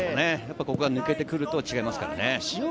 これが抜けてくると違いますからね。